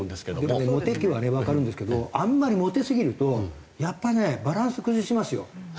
でもモテ期はねわかるんですけどあんまりモテすぎるとやっぱりねバランス崩しますよ。